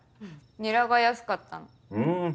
ニラが安かったの。